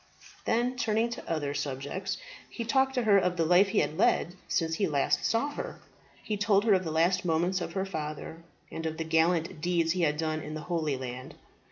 Then turning to other subjects, he talked to her of the life he had led since he last saw her. He told her of the last moments of her father, and of the gallant deeds he had done in the Holy Land.